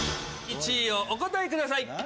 １位をお答えください。